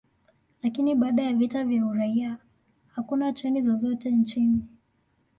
Lakini baada ya vita vya uraia, hakuna treni zozote nchini.